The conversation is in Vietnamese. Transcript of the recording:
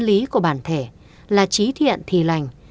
lý của bản thể là trí thiện thì lành